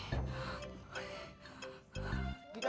gitu aja kabur haa